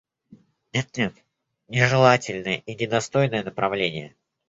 Нет, нет, нежелательное и недостойное направление…